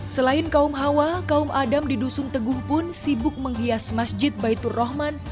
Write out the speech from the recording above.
selain kaum hawa kaum adam di dusun teguh pun sibuk menghias masjid baitur rahman